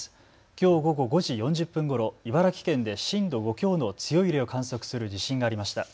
きょう午後５時４０分ごろ、茨城県で震度５強の強い揺れを観測する地震がありました。